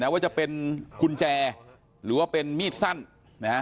ว่าจะเป็นกุญแจหรือว่าเป็นมีดสั้นนะฮะ